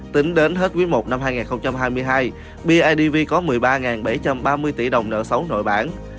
tính đến hết quý i năm hai nghìn hai mươi hai bidv có một mươi ba bảy trăm ba mươi tỷ đồng nợ xấu nội bản